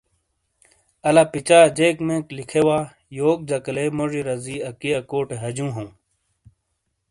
الا پچا جیک میک لکھے وا یوک جکالے موڙی رزی اکی اکوٹے ہجوں ہوں ۔